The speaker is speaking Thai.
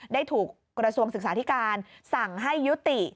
ได้ถูกกระทรวงศึกษาธิการสั่งให้ยุติ